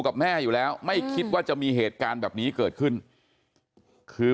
กับแม่อยู่แล้วไม่คิดว่าจะมีเหตุการณ์แบบนี้เกิดขึ้นคือ